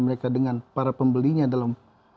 mereka dengan para pembelinya dalam